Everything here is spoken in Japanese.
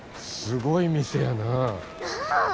すごい店やなあ。